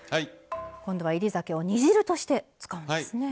今度は煎り酒を煮汁として使うんですね。